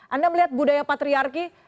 anda melihat budaya patriarki